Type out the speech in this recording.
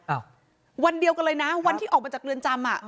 วันเดียวกันเลยนะวันที่ออกมาจากเรือนจำอ่ะ